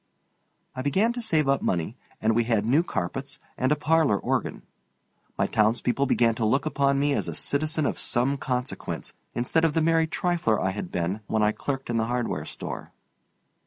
I began to save up money, and we had new carpets, and a parlor organ. My townspeople began to look upon me as a citizen of some consequence instead of the merry trifler I had been when I clerked in the hardware store.